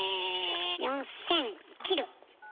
４０００切る。